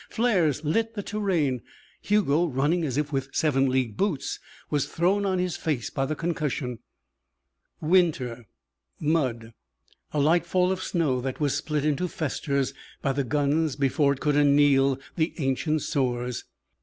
Flares lit the terrain. Hugo, running as if with seven league boots, was thrown on his face by the concussion. Winter. Mud. A light fall of snow that was split into festers by the guns before it could anneal the ancient sores.